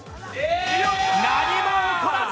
何も起こらず！